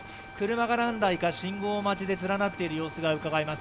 車が何台か信号待ちで連なっている様子がうかがえます。